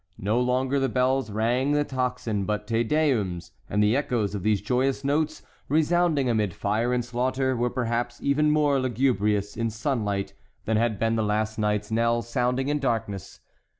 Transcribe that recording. No longer the bells rang the tocsin, but Te Deums, and the echoes of these joyous notes, resounding amid fire and slaughter, were perhaps even more lugubrious in sunlight than had been the last night's knell sounding in darkness.